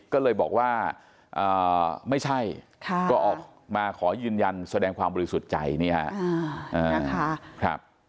ก็เลยบอกว่าไม่ใช่ก็ออกมาขอยืนยันแสดงความบริสุทธิ์ใจนี่ฮะ